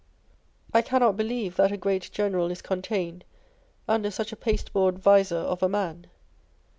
I cannot believe that a great general is contained under such a pasteboard vizor of a man.